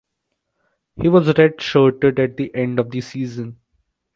He was redshirted at the end of the season.